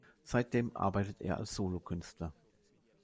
Seitdem arbeitet er als Solokünstler.